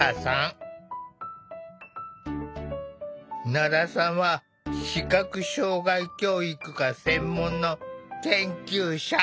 奈良さんは視覚障害教育が専門の研究者。